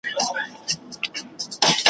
دی به خوښ ساتې تر ټولو چي مهم دی په جهان کي ,